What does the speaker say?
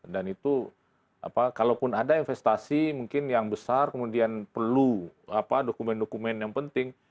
dan itu kalaupun ada investasi mungkin yang besar kemudian perlu dokumen dokumen yang penting